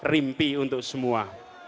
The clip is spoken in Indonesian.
ramah rimpi untuk semua